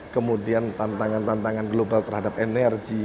kemudian tantangan tantangan global terhadap energi